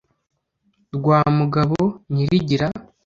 rwa mugabo nyirigira,